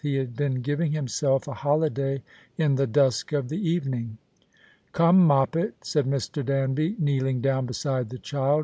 He had been giving himself a holiday in the dusk of the evening. " Come, Moppet," said ]\Ir. Danby, kneeling down beside the child.